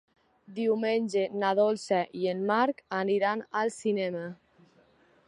Diumenge na Dolça i en Marc aniran al cinema.